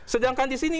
sedangkan di sini